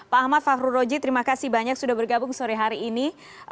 pak ahmad fahru roji terima kasih banyak sudah bergabung sore hari ini